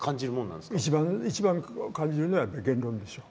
一番感じるのはやっぱり言論でしょう。